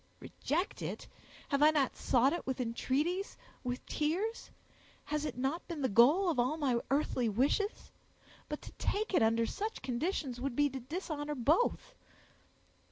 "Reject it! Have I not sought it with entreaties—with tears? Has it not been the goal of all my earthly wishes? But to take it under such conditions would be to dishonor both.